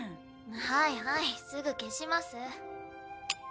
はいはいすぐ消します。